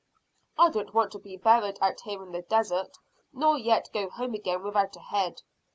I don't want to be buried out here in the desert, nor yet go home again without a head.